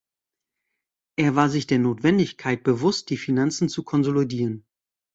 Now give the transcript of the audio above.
Er war sich der Notwendigkeit bewusst, die Finanzen zu konsolidieren.